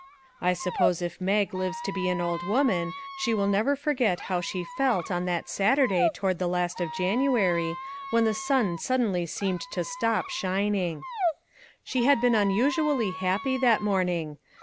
I suppose if Mag lives to be an old woman she will never forget how she felt on that Saturday toward the last of Janu ary when the sun suddenly seemed to stop shining. She had been unusually happy that morning.